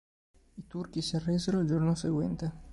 I turchi si arresero il giorno seguente.